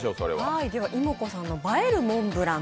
いもこさんの映えるモンブラン